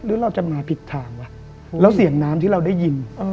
หรือเราจะมาผิดทางว่ะแล้วเสียงน้ำที่เราได้ยิน